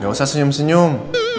gak usah senyum senyum